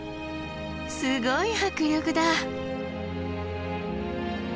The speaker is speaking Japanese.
すごい迫力だ。